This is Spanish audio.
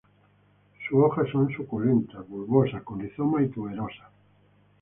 Sus hojas son suculentas, bulbosa con rizoma y tuberosa.